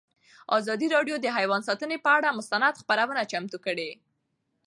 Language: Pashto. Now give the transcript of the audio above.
ازادي راډیو د حیوان ساتنه پر اړه مستند خپرونه چمتو کړې.